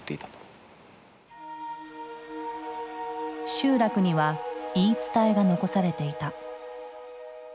集落には言い伝えが残されていた。